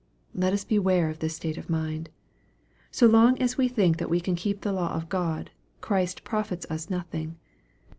Let us beware of this state of mind. So long as we think that we can keep the law of God, Christ profits us nothing.